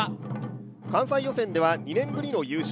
関西予選では２年ぶりの優勝。